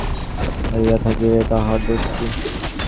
হইয়া থাকিলেও তাহার দোষ কী?